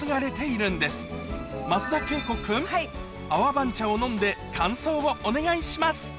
晩茶を飲んで感想をお願いします